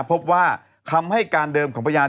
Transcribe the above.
พบว่าคำให้การเดิมของพยาน